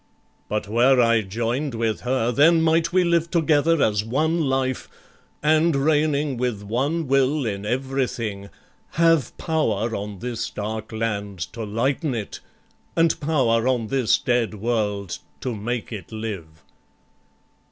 But were I join'd with her, Then might we live together as one life, And reigning with one will in everything Have power on this dark land to lighten it, And power on this dead world to make it live."